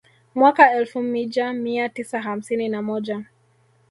Mwaka elfu mija mia tisa hamsini na moja